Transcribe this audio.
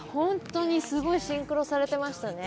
すごいシンクロされてましたね。